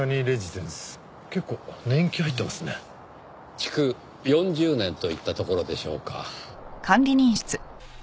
築４０年といったところでしょうか。